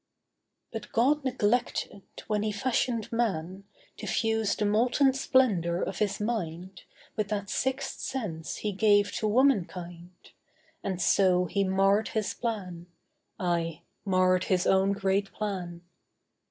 But God neglected, when He fashioned man, To fuse the molten splendour of his mind With that sixth sense He gave to womankind. And so He marred His plan— Ay, marred His own great plan.